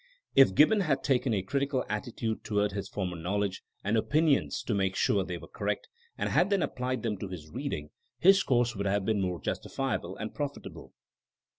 If Gibbon had taken a critical attitude toward his former knowledge and opinions to make sure they were correct, and had then applied them to his reading, his course would have been more justifiable and profitable.